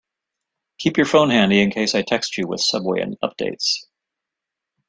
Keep your phone handy in case I text you with subway updates.